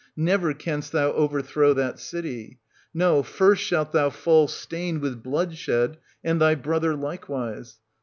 Never canst thou overthrow that city ; no, first shalt thou fall stained with bloodshed, and thy brother likewise.